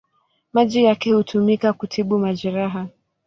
Majani yake hutumika kutibu majeraha.